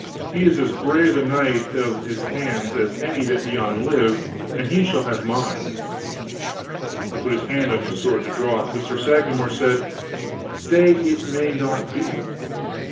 "He is as brave a knight of his hands as any that be on live, and he shall have mine." He put his hand on his sword to draw it, but Sir Sagramor said: "Stay, it may not be.